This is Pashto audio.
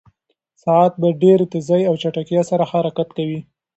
ساعت په ډېرې تېزۍ او چټکتیا سره حرکت کوي.